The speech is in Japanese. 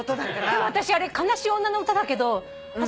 でも私あれ悲しい女の歌だけど私